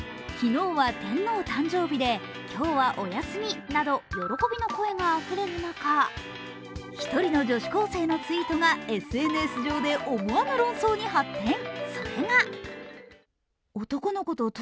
昨日は天皇誕生日で今日はお休みなど喜びの声があふれる中、１人の女子高生のツイートがＳＮＳ上で思わぬ論争に発展。